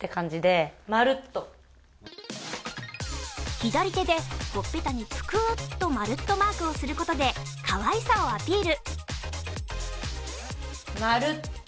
左手でほっぺたにぷくーっとまるっとマークをすることでかわいさをアピール。